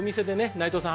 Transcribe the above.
内藤さん